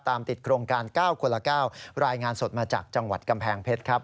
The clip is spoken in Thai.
ติดโครงการ๙คนละ๙รายงานสดมาจากจังหวัดกำแพงเพชรครับ